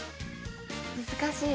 難しい。